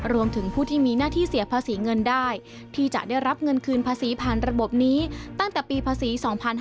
รวมถึงผู้ที่มีหน้าที่เสียภาษีเงินได้ที่จะได้รับเงินคืนภาษีผ่านระบบนี้ตั้งแต่ปีภาษี๒๕๕๙